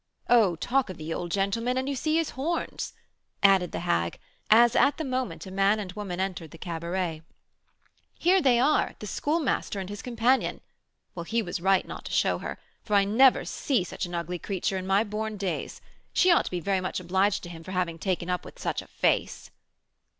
Oh, talk of the old gentleman, and you see his horns," added the hag, as at the moment a man and woman entered the cabaret; "here they are, the Schoolmaster and his companion. Well, he was right not to show her, for I never see such an ugly creetur in my born days. She ought to be very much obliged to him for having taken up with such a face."